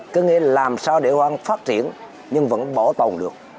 cứ nghĩ là làm sao để hội an phát triển nhưng vẫn bổ tồn được